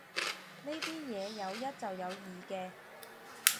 呢啲嘢有一就有二嘅